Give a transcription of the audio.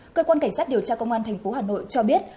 cơ quan cảnh sát điều tra công an thành phố hà nội cho biết